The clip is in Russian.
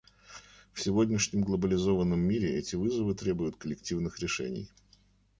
В сегодняшнем глобализованном мире эти вызовы требуют коллективных решений.